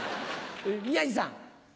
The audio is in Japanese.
宮治さん。